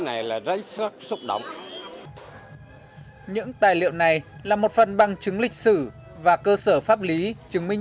này là rất xúc động những tài liệu này là một phần bằng chứng lịch sử và cơ sở pháp lý chứng minh